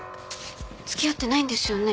付き合ってないんですよね？